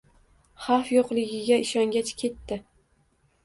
Xavf yo‘qligiga ishongach ketdi